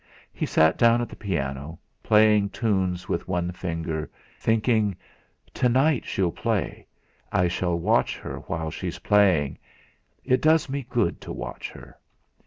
He sat down at the piano, playing tunes with one finger, thinking: 'To night she'll play; I shall watch her while she's playing; it does me good to watch her.'